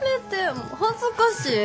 もう恥ずかしい。